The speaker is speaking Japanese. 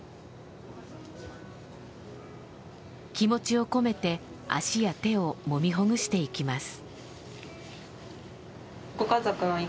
気持ちを込めて足や手をもみほぐしていきます。